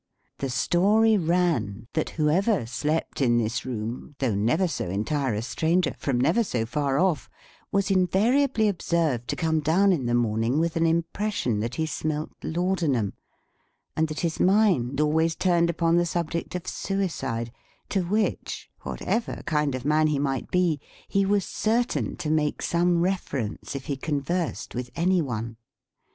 The story ran, that whosoever slept in this room, though never so entire a stranger, from never so far off, was invariably observed to come down in the morning with an impression that he smelt Laudanum, and that his mind always turned upon the subject of suicide; to which, whatever kind of man he might be, he was certain to make some reference if he conversed with any one.